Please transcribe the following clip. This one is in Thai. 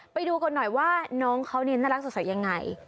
ไปดูกันหน่อยว่าน้องเขาน่ารักสดใสยังไง